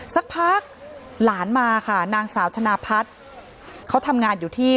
สักพักหลานมาค่ะนางสาวชนะพัฒน์เขาทำงานอยู่ที่